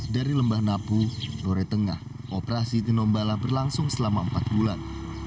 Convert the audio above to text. dari lembah napu lore tengah operasi tinombala berlangsung selama empat bulan